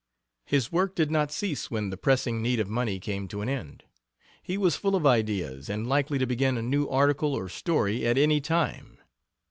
His work did not cease when the pressing need of money came to an end. He was full of ideas, and likely to begin a new article or story at any time.